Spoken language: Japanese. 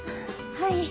はい。